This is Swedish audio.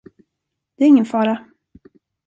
Det är ingen fara.